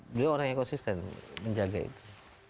beliau orang yang konsisten menjaga itu